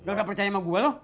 lu gak percaya sama gua lu